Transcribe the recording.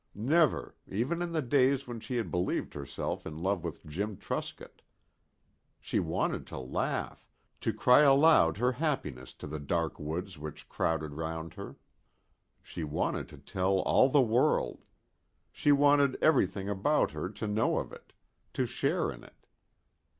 Never, even in the days when she had believed herself in love with Jim Truscott. She wanted to laugh, to cry aloud her happiness to the dark woods which crowded round her. She wanted to tell all the world. She wanted everything about her to know of it, to share in it.